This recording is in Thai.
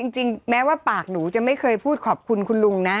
จริงแม้ว่าปากหนูจะไม่เคยพูดขอบคุณคุณลุงนะ